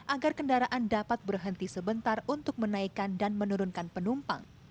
agar kendaraan dapat berhenti sebentar untuk menaikkan dan menurunkan penumpang